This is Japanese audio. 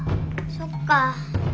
そっか。